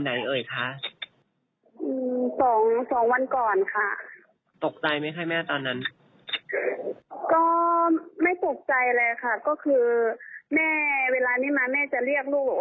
นะมานอนกับแม่นะอะไรแบบนี้